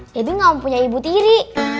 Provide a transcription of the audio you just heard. tapi nggak mau punya ibu tiri